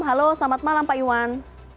halo selamat malam pak iwan